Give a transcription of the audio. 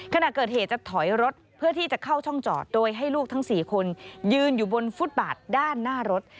ขณะเกิดเหตุจะถอยรถเพื่อที่จะเข้าช่องจอดโดยให้ลูกทั้ง๔คนยืนอยู่บนฟุตบาทด้านหน้ารถ